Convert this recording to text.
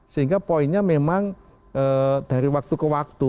sehingga poinnya memang dari waktu ke waktu